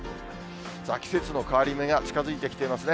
季節の変わり目が近づいてきていますね。